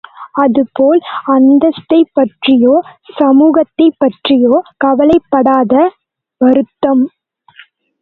அதுபோல் அந்தஸ்தைப் பற்றியோ, சமூகத்தைப் பற்றியோ கவலைப்படாத வருத்தம்.